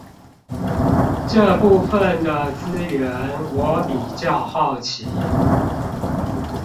這部分的資源我比較好奇